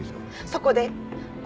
そこで。